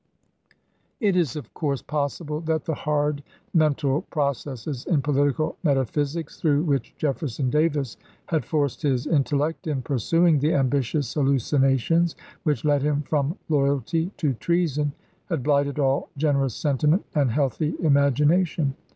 " It is of course possible that the hard mental pro cesses in political metaphysics through which Jef ferson Davis had forced his intellect in pursuing the ambitious hallucinations which led him from loy alty to treason, had blighted all generous sentiment and healthy imagination.